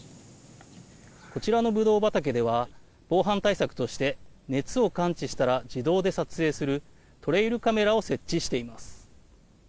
こちらのブドウ畑では防犯対策として熱を感知したら自動で撮影するトレイルカメラを設置しています。